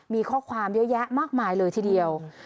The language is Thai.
มีข้อความเยอะแยะมากมายเลยทีเดียว